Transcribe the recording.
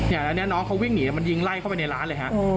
แล้วเนี่ยน้องเขาวิ่งหนีมันยิงไล่เข้าไปในร้านเลยฮะ